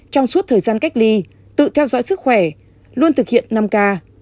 trong suốt thời gian cách ly tự theo dõi sức khỏe luôn thực hiện năm k